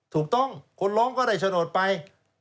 ถูกต้องคนร้องก็ได้โฉนดไป